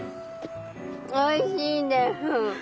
おいしいです！